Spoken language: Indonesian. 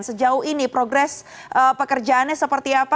sejauh ini progres pekerjaannya seperti apa